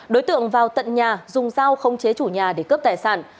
đối tượng vào tận nhà dùng dao không chế chủ nhà để cướp tài sản